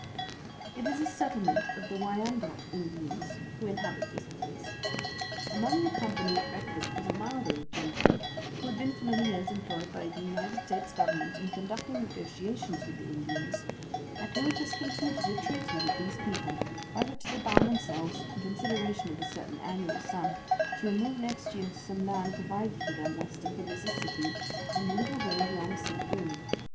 It is a settlement of the Wyandot Indians who inhabit this place. Among the company at breakfast was a mild old gentleman, who had been for many years employed by the United States Government in conducting negotiations with the Indians, and who had just concluded a treaty with these people by which they bound themselves, in consideration of a certain annual sum, to remove next year to some land provided for them, west of the Mississippi, and a little way beyond St. Louis.